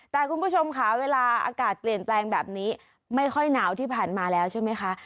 แต่คุณผู้ชมค่ะเวลาอากาศเปลี่ยนแปลงแบบนี้ไม่ค่อยหนาวที่ผ่านมาแล้วใช่ไหมคะ